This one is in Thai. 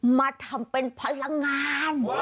มาทำเป็นพลังงาน